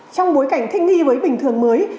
trong bối cảnh thinh nghi với bình thường mới